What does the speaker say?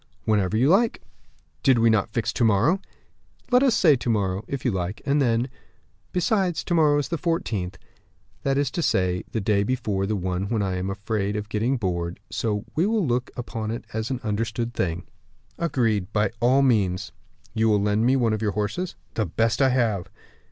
"Whenever you like." "Did we not fix to morrow?" "Let us say to morrow, if you like; and then, besides, to morrow is the 14th, that is to say, the day before the one when I am afraid of getting bored; so we will look upon it as an understood thing." "Agreed, by all means." "You will lend me one of your horses?" "The best I have."